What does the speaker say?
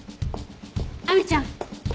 亜美ちゃん！